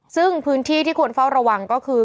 ซึ่งพื้นที่ที่ควรเฝ้าระวังก็คือ